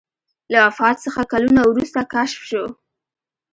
له وفات څخه کلونه وروسته کشف شو.